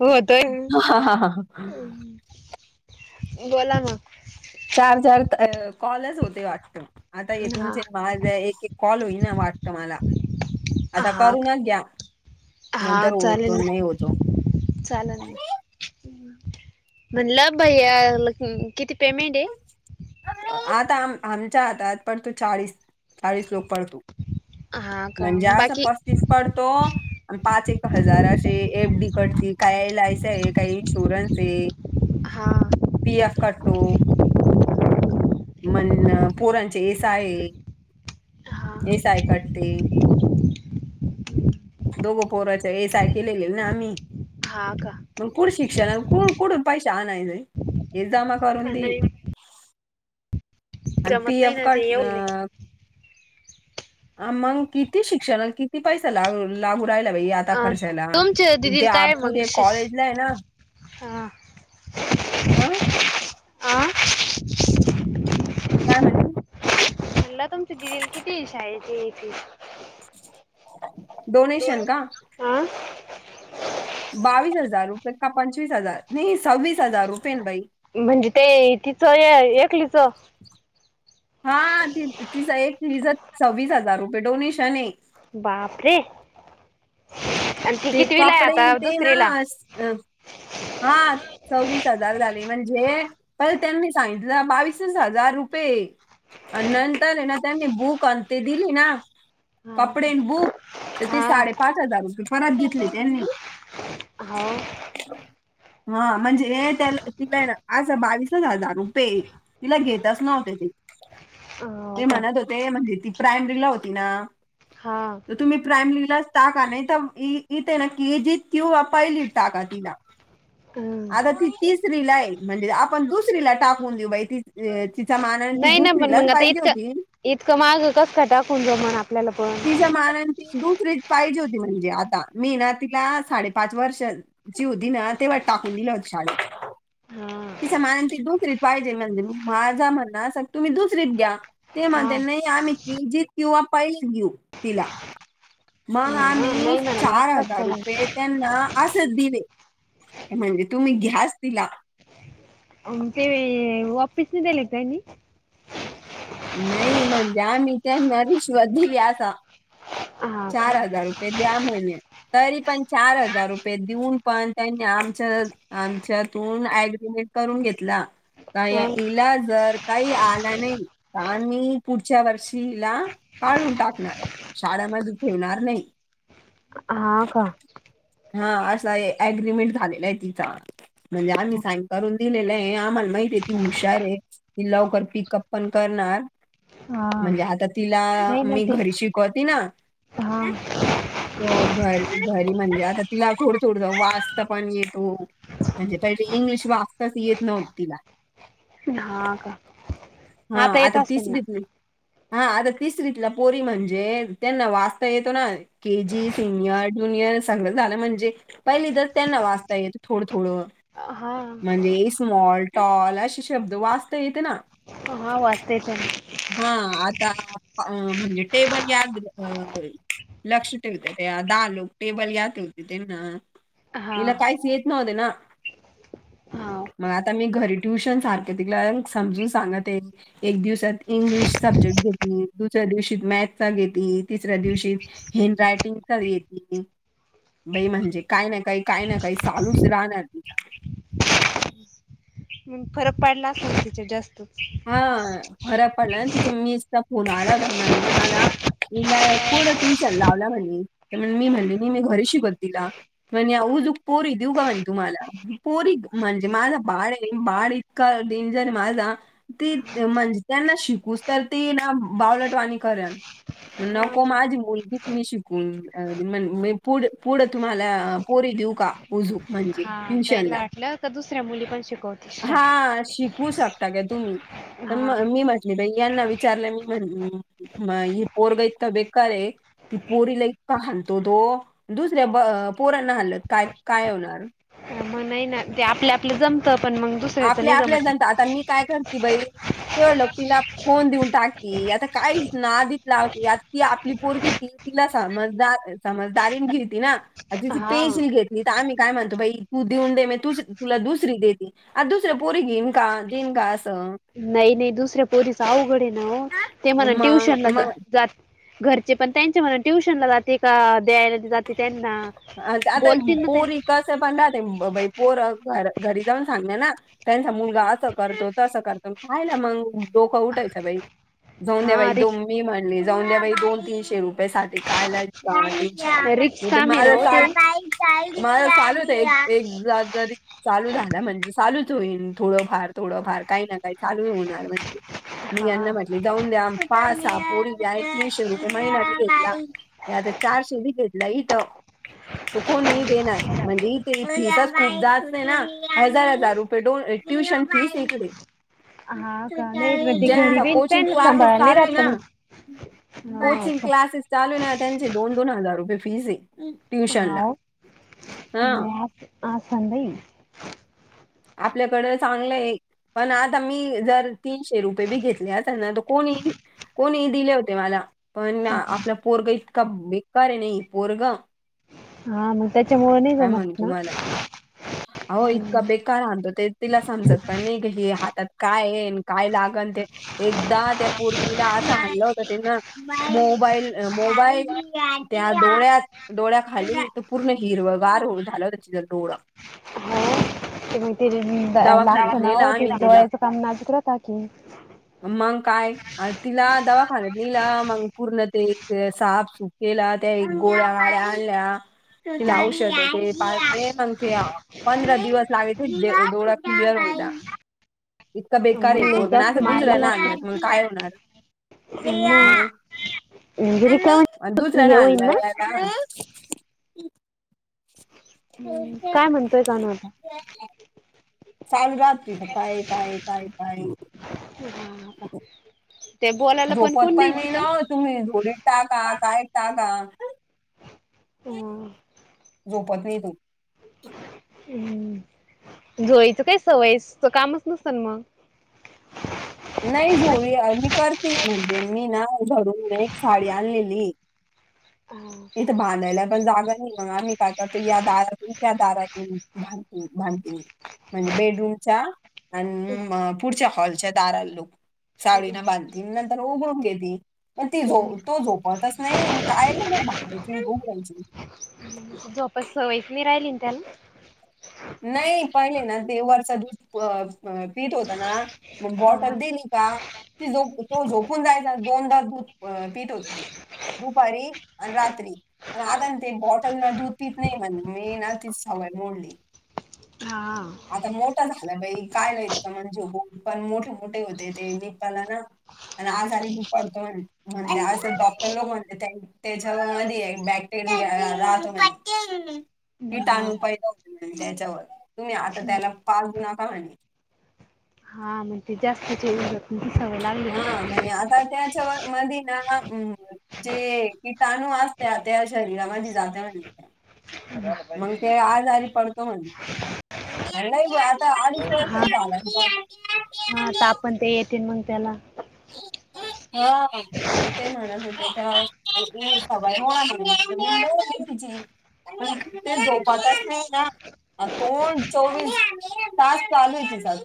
होतोय हा हा हा हा. बोला ना. चार चार कॉलच होते वाटत. आता मग येथूनच हा माझ एक एक कॉल होई ना वाटतं मला. आता हा करूनच घ्या हा नंतर चालेल होतो नाही ना होतो. चालेल ना म्हटलं भैयाला किती पेमेंट आहे? आता आम आमच्या हातात फक्त चाळीस चाळीस लोक पडतो. हा का म्हणजे असं बाकी पस्तीस पाडतो आणि पाच एक हजार असे एफ डी कटती काय एल आय सी आहे काय इन्शुरन्स आहे. हा पी एफ काटो मण पोरांचे एस आहे हा ये साय कटते. दोघो पोराच्या हे सायखलेले [unintelligible] ना आम्ही. हा का. मग पुढे शिक्षणला कुठून कुठून पैशे आणायचे आहे हे जमा करून दे. नाही आणि पी जमत नाही एफ ना ते कट न येऊले आ मग किती शिक्षण अन किती पैसा लागल? लागू राहिला बाई आता अ खर्चाला तुमच्या दिदीला त्या काय मग पुढे शिश कॉलेजला आहे ना. हा आ? आं काय म्हणी? म्हणला तुमची दिलील किती शाळेची फि डोनेशन का? आ? बावीस हजार रुपये का पंचवीस हजार नाही सव्वीस हजार रुपये ना भाई. म्हणजे ते तिचं ये एकलीचं हा त तिचं एक तिचं सव्वीस हजार रुपये डोनेशन हे बापरे आणि ती कितवीला आहे आता दुसरीला? अ हा सववीस हजार झाले म्हणजे पहिले त्यांनी सांगितलं बावीसच हजार रुपये. अन नंतर हे ना त्यांनी बुक अन ते दिली ना. हा कपडे आणि बुक तर ते हा साडेपाच हजार रुपये परत घेतले त्यांनी. हो. ह. [unintelligible] हा म्हणजे हे त्याला तिला अस बावीसच हजार रुपये. तिला घेतच नव्हते ती हो ते का म्हणत होते म्हणजे ती प्रायमरीला होती ना हां. त तुम्ही प्रायमलीलाच टाका नाही तर इथे ना केए जीत किंवा पहिलीत टाका तिला. हम आता ती तिसरी ला आहे म्हणजे आपण दुसरीला टाकून देऊ बाई ती तिचा मान आणि ती नाही ना पण दुसरीलाच मग आता पाहिजे इतकं होती इतकं माग कस खटाकून जमल आपल्याला पण. दुसरीत पाहिजे होती म्हणजे आता मी ना तिला साडेपाच वर्षची होती ना तेव्हा टाकून दिलं होत शाळेत. हा तिच्या मानान ती दुसरीत पाहिजे म्हणल मी माझा म्हणण असं की तुम्ही दुसरीत घ्या. ते म्हणते हा नाही आम्ही क जित किंवा पैल घऊ तिला मग नाही आम्ही मॅडम चार आज कस हजार काय रुपये त्यांना असच दिले. म्हणजे तुम्ही घ्यास दिला. ते वापिस नि दिले काय नाही नाही ई मग द्या त्यांना रिशवत दिली अस हा चार हजार द्या म्हणे तरी पण चार हजार रुपये देऊन पण त्यांनी आमच आमच्यातून एग्रीमेंट करून घेतला काय ईला जर काही आला नाही आणि पुढच्या वर्षीला काढून टाकणार. शाळामध्ये ठेवणार नाही हा का? हा असा आहे एग्रीमेंट झालेला आहे तिचा म्हणजे आम्ही साइन करून दिलेलं आहे आम्हाला माहितीय ती हुशार आहे ती लवकर पिकअप पण करनार हा म्हणजे आता तिला नाही ना मी ते घरी शिकवतिना हा हो घर घरी म्हणजे आता तिला थोड थोड वाचता पण येतो म्हणजे पहिेले इंग्लिश वाजताच येत नव्हती तिला हा का? हा येत आता असेल तीच ना भीती हा आता तिसरीतला पोरी म्हणजे त्यांना वाचता येतो ना. के जी, सिनियर, ज्युनियर सगळं झालं म्हणजे पहिली तर त्यांना वाचता येतं थोडं थोडं हा म्हणजे स्मॉल टॉल असे शब्द वाचता येते ना. हा वाचता येत ना हा आता म्हणजे टेबल याद अ [unintelligible] लक्ष ठेवते ते दहा लोक टेबल या ठेवते ते ना हा इला काहीच येत नव्हते ना हा मग आता मी घरी ट्युशन सारखं तिला समजून सांगत आहे एक दिवसात. इंग्लिश सब्जेक्ट घेतली. दुसऱ्या दिवशी मॅथचा, घेतली तिसऱ्या दिवशी हेंड रायटिंग तर येते बाई म्हणजे काय ना काही काय ना काही चालूच राहणार तिच्या. मग फरक पडलाच नाही तिच्या जास्तच हा फरक पडला तिच्या मिसचा फोन आला होता ना म्हण मला ईला कुठ टुशन लावला म्हणे तर मी म्हणले नाही मी घरी शिकवते तिला. म्हणजे हा उजूक पोरी देऊ का म्हणे तुम्हाला पोरी म्हणजे माझा बाडे बा का डेंजर माझा ती म्हणजे त्यांना शिकूस तर ती ना बावलटवाणी करल. नको हा माझी मुलगी मी शिकून अ मन मी पुढं पुढं तुम्हाला पोरी देऊ का उजू म्हणजे आपेनला ट्युशनला. वाटलं का दुसऱ्या मुली पण शिकवते छान. शिक होऊ शकता का तुम्ही तर म हा. मी म्हटली बाई यांना विचारलं मी म्हण म ही पोरगा इतकं बेकार आहे ती पोरीला इका हाणतो तो दुसऱ्या पोरांना हाणलत काय काय होणार? मग नाही ना ते आपलं आपलं जमतं पण मग दुसऱ्याचं आपल्या नाही आपल्या जमत. दंता आता मी काय करते बाई तेव ल तिला फोन देऊन टाकते आता काहीच नादीच लावली ती आपली पोरगी ती तिला समजदार समजदारीन घेती ना. तिची हा पेन्सिल घेतली तर आम्ही काय म्हणतो बाई तू देऊन दे म तु तुला दुसरी देेते आ दुसरं पोरी घेईन का देन का असं नाही नाही दुसऱ्या पोरीस अवघडे ना ते म्हणा मग ट्युशन ला मग जात घरचे पण त्यांच्या म्हून ट्युशनला जाते का द्यायला जात ते त्यांना बोलतील ना ते. चे पण तेहि राहते बाई पोर घरी जाऊन सांगलं ना त्यांचा मुलगा असं करतो तसं करतो खायला मग डोकं उठायचं बाई जाऊन द्या बाई हा दोम रिक्स मी म्हणली जाऊन द्या बाई दोन तीनशे रुपये साठी कायलायच रिक्स काढु काम आहे माझ ना हो ते. मला चालूत एक जरी चालू झाला म्हणजे चालूच होईन थोडंफार थोडंफार काही ना काही चालू होणार म्हणजे मी यांना हा म्हटली जाऊन द्या. पाच सहा बोरी एक तीनशे रुपये महिनात घेतलाता चारशे बी घेतला इथं तो कोणी देणार म्हणजे इथथच खूप जास्त आहे ना हजार हजार रुपये डोन ट्युशन फीसच नाही इकडे हा का नाही मग ते घरी ज्याचा बी कोचिंग त्यांना क्लासेस सांभाळायला नाही चालूय राहत का ना मग. हा कोचिंग का क्लासेस चालू ना त्यांची दोन दोन हजार रुपये फीस आहे. ट्युशनला हा. आज संडे आहे. आपल्याकडे चांगलं एक पण आता मी जर तीनशे रुपये बी घेतले अस ना तर कोणी कोणी दिले होते मला, पण हा आपला पोरग इतका बेकार आहे नाही पोरग. हा मग त्याच्यामुळे नाही जमत ना हो हम्म. इतका बेकार हाणतो ते तिला समजत नाही. ते ग हि हातात काय येन काय लागल ते एकदा त्या पोरगीला असं हाणलं होत ते ना मोबाईल मोबाईल त्या डोळ्यात डोळ्या खाली तर पूर्ण हिर व गार हो झालं हो त्या जर डोळं हो ते म्हणाते लागत दवाखान्यात ना नेलं ते आम्ही तिला डोळ्याचं काम नाजूक की [unintelligible] मग काय? अ तिला दवाखान्यात नाहीला मग पूर्ण ते साफसूफ केला. त्या गोळ्या गळ्या आणल्या तिला औषध ते पाजले मग ते पंधरा दिवस लागेत डोळा क्लिअर व्हायला. इतका बेकार मग आहे लय पोरग ना जास्त असं मारलेला दुसऱ्याला् आणलं असत म्हणून काय होणार? मग म्हणजे रिकाम म दुसरा हे ना होईन आणला [inaudible] काय म्हणतोय कानू आता [unintelligible] चालू राहील काय काय काय काय?? हा आ ते बोलायला पण झोपत कोण नाही ना तिथं हो तुम्ही ओढी टाका काय टाका? हम्म झोपत नाही तू हम्म जोयचं काही सवयीच कामच नसत ना मग नाही जोळी मी करते म्हणजे मी ना घरून एक साडी आणलेली हा इथे बांधायला पण जागा नाही मग आम्ही काय करतो या दारातून त्या दारातून भां भांधती आणि बेडरूमच्या आणि म पुढच्या हॉलच्या दाराात लोक साडीन बांधतील नंतर उघडून घेली. मग ती तो झोपतच नाही काय ना म भागयची झोपायची झोपाची सवयस मी राहिली ना त्याला नाही पहिले ना ते वर्ष दूध पीठ होतं ना मग हा बॉटल दिली का ती झोप तो झोपून जायचा दोनदा दूध पित होत ते दुपारी आणि रात्री पण आता ते बॉटलला दूध पित नाही म्हण मेन आ तीच सवय मोडली हा.... आता मोठा झाला बाई कायला इतका म्हणजे हो पण मोठे मोठे होते ते निपाला ना आणि आजारी मी पडतोय म्हण ते डॉक्टर लोक म्हणते त्यावेळ ते ज बॅक्टेरिया राहतो कीटाणू पैद आणि त्याच्यावर तुम्ही आता हा त्याला पाहू [unintelligible] आणि जास्तचे तूमची सवय लागली हा का म्हणजे आता त्याच्या नादी म ना जे कीटणू वा असते त्या शरीरामध्ये जात म्ह मग ते आज आम्ही करतो म्हटले नाही ग आता अडीच हा वर्ष झाला हा आत आपण ते ते म्हण त्याला [unintelligible] तर ते म्हणत होते काय [unintelligible] खिचडी ते झोपायच नाही ना अ तोंड चोवीस तास चालू आहे तीचा.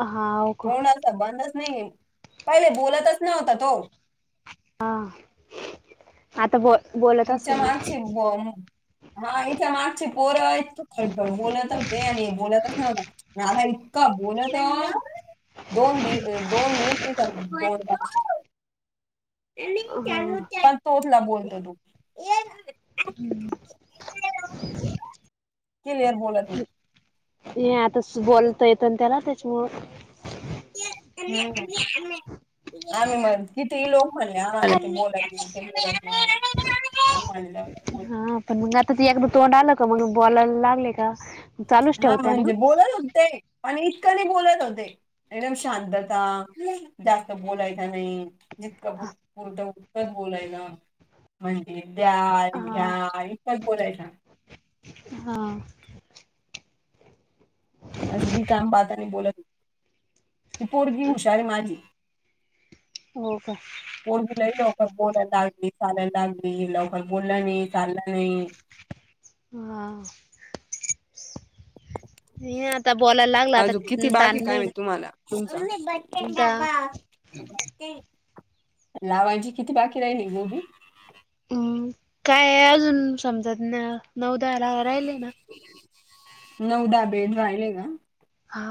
हा का तोड बंदच नाही पहिले बोलतच नव्हता तो. हा आता बो बोल इच्या मागची ब माईच्या मागचे पोरं आहेत खळखळ बोलत होते आणि बोलतच नव्ह हा तर इतका बोलतो. दोन दिव दोन मिनट [unintelligible] ना [unintelligible] बोलतो तो हम्म क्लिअर बोलत नाही हे आता बोलता येत ना त्याला त्याच्यामुळं [unintelligible] आम्ही म्हण कितीही लोक म्हणे आम्हाला ते बोला आम्ही म्हणलं हा पण मग आता ते एक तोंड आलं का मग बोलायला लागले का? चालूच हा ठेवत्या ना म्हणजे बोलत होते पण इतक नाही बोलत होते. एकदम शांत बसा जास्त बोलायचा नाही. जितका पुर्त उत्तर बोलायला. म्हणजे द्या हा घ्या इतकच बोलायचं हा आज वी काम पाहात आणि बोलत नाही. ती पोरगी हुशार आहे माझी हो का कोणवीला लवकर बोलायला लागली चालायला लागली लवकर बोलला नाही चाललं नाही. हा...... हे आता बोलायला लागला आता अजू किती बाकी काय ताणलंय तुम्ही ना तुम्हाला तुमच एकदा लावायची किती बाकी राहिली गोभी? हम्म काय अजून समजतना हो नऊ दहा राहिलेय ना नऊ दहा नबे राहिले ग हा..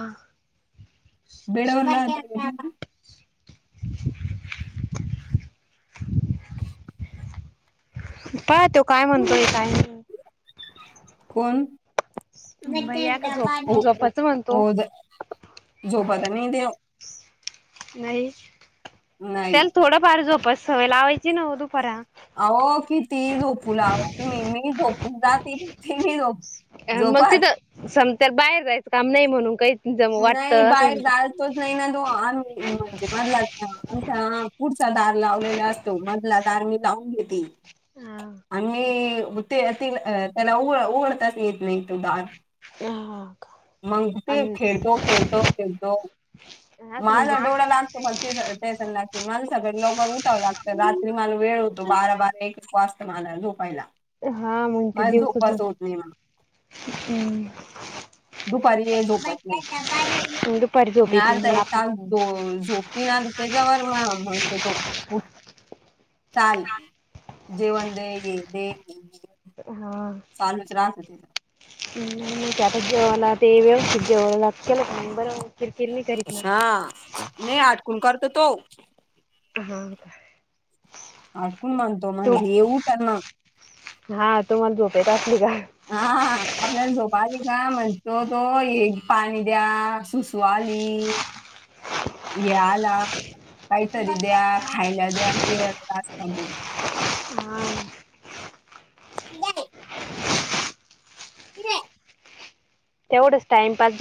बेडवर हातरायच [unintelligible] [unintelligible] पाह तो काय म्हणतोय काय नाही? कोण? भैया का झोप झोपाच म्हणतो हो. झोप आता. नाही नाही. त्याल थोड फार झोपास सवय लावायची ना, दुपारा. आहो किती झोपू लाव तुम्ही मी झोपून जातील. ति नाही झोप मग झोपा तिथं समत बाहेर जायचं काम नाही, म्हणून काही वाटत असं. तोच नाही ना तो आम्ही म्हणजे, मधला आमचा पुढचा दार लावलेला असं. तो मधला दार मी लावून घेती. हा. आणि ते त्याला, उघडताच येत नाही तो दार. हां हां. मग ते खेळतो खेळतो खेळतो, असं माल अडोळा म्हणजे लांब. तुम्हला ते त्या लागते मला सकाळी लवकर उठावं लागतं रात्री माला वेळ होतो बारा बारा एक वाजता [unintelligible] झोपायला हा म्हग ते मला दिवसच झोपाच झोप होत नाही मला दुपारी हे झोपत नाही दुपारी झोप मी येते अर्धा मग ऐक आपली तास दो झोपती ना त्याच्यावर म्हणत तो चाल जेवण दे ये दे दे हा. चालूच राहात आता जेवण ते व्यवस्थित जेवाव की मगं बर वाटत. अशा नाहीं हटकून काढतो तो. हा का [unintelligible] हाटकून म्हणतो तू म्हणजे हे उठणा हा तुम्हाला झोप येत असली का? हा आपल्याला झोपा आली का म्हणतो तो हे पाणी द्या सुसू आली. हं या आला, काहीतरी द्या. खायला द्या पियाला असं म्हणत होतं. हा [unintelligible] [unintelligible] तेवढंच टाईमपास जात